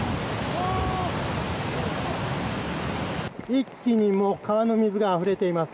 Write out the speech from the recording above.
一気に川の水があふれています。